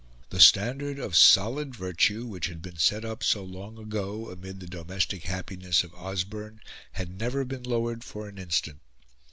The standard of solid virtue which had been set up so long ago amid the domestic happiness of Osborne had never been lowered for an instant.